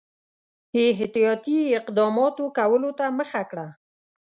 احتیاطي اقداماتو کولو ته مخه کړه.